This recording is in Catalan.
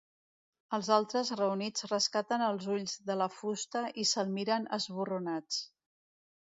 Els altres reunits rescaten els ulls de la fusta i se'l miren esborronats.